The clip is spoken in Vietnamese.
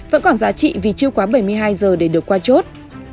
vẫn còn giá trị vì chưa quá bảy mươi hai giờ để được qua chốt